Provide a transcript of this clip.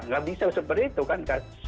nggak bisa seperti itu kan